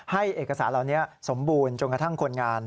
เอกสารเหล่านี้สมบูรณ์จนกระทั่งคนงาน